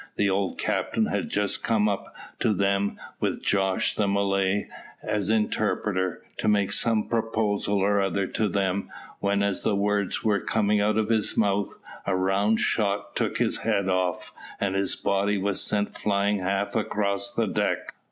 The old captain had just come up to them, with Jos the Malay as interpreter, to make some proposal or other to them, when, as the words were coming out of his mouth, a round shot took his head off, and his body was sent flying half across the deck.